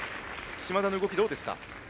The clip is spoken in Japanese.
嶋田の動きはどうですか？